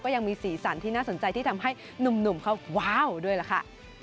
ยังมีสีสันที่น่าสนใจที่ทำให้หนุ่มเขาว้าวด้วยล่ะค่ะ